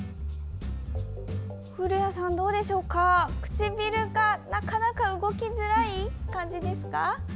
古谷さん、どうでしょう唇がなかなか動きづらい感じですか？